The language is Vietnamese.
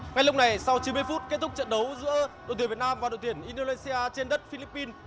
ngay lúc này sau chín mươi phút kết thúc trận đấu giữa đội tuyển việt nam và đội tuyển indonesia trên đất philippines